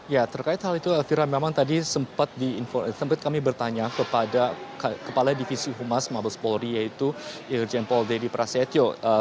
ya terkait hal itu elvira memang tadi sempat kami bertanya kepada kepala divisi humas mabes polri yaitu irjen pol dedy prasetyo